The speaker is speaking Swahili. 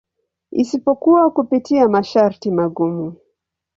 Isipokuwa kupitia masharti magumu.